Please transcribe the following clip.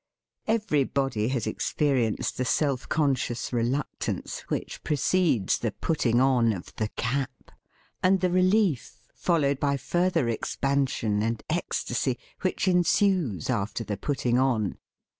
Everybody has experienced the self conscious reluctance which precedes the putting on of the cap, and the relief, THE FEAST OF ST FRIEND followed by further expansion and ecstasy, which ensues after the putting on.